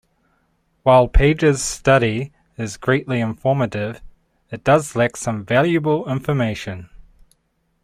While Pager's study is greatly informative, it does lack some valuable information.